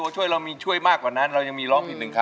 ช่วยมากกว่านั้นเรายังมีร้องผิดหนึ่งครับ